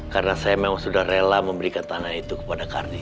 karena saya memang sudah rela memberikan tanah itu kepada kardi